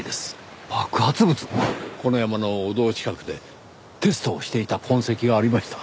この山の御堂近くでテストをしていた痕跡がありました。